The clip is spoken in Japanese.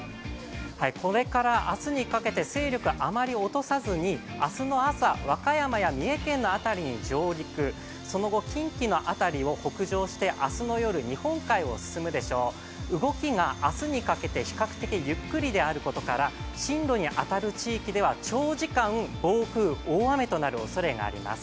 これから明日にかけて勢力をあまり落とさずに明日の朝、和歌山や三重県の辺りに上陸その後、近畿の辺りを北上して明日の夜、日本海を進むでしょう、動きが明日にかけて比較的ゆっくりであることから進路に当たる地域では長時間暴風・大雨となるおそれがあります。